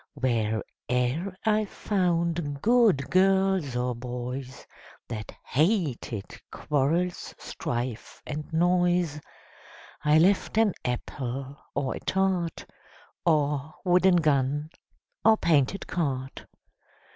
Where e'er I found good girls or boys, That hated quarrels, strife and noise, I left an apple, or a tart, Or wooden gun, or painted cart.